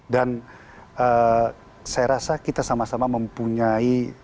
dan saya rasa kita sama sama mempunyai kedewasan yang terbaik di bangsa indonesia ini